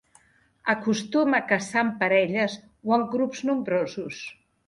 Acostuma a caçar en parelles o en grups nombrosos.